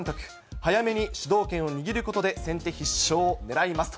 早めに主導権を握ることで先手必勝をねらいますと。